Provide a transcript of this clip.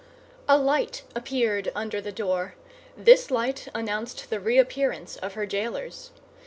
A light appeared under the door; this light announced the reappearance of her jailers.